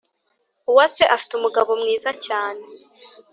Uwase afite umugabo mwiza cyane